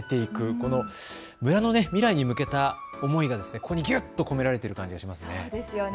この村の未来に向けた思いがここにぎゅっと込められている感じがしますね。